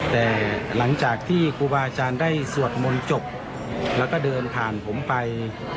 แต่หลังจากที่ครูบาอาจารย์ได้สวดมนต์จบแล้วก็เดินผ่านผมไป